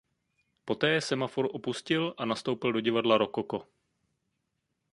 Poté Semafor opustil a nastoupil do divadla Rokoko.